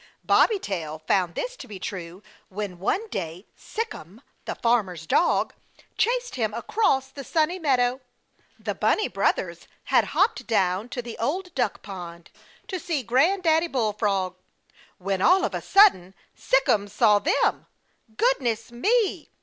Bobby Tail found this to be true when one day Sic'em, the Farmer's Dog, chased him across the Sunny Meadow. The Bunny Brothers had hopped down to the Old Duck Pond to see Granddaddy Bullfrog, when all of a sudden Sic'em saw them. Goodness me!